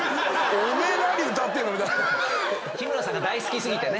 日村さんが大好き過ぎてね。